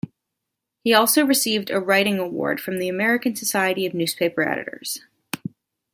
He also received a writing award from the American Society of Newspaper Editors.